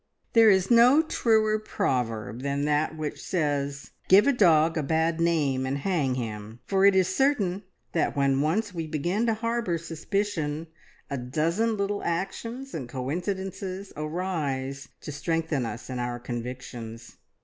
There is no truer proverb than that which says, "Give a dog a bad name and hang him!" for it is certain that when once we begin to harbour suspicion, a dozen little actions and coincidences arise to strengthen us in our convictions.